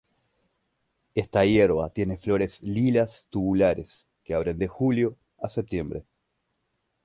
Esta hierba tiene flores lilas tubulares, que abren de julio a septiembre.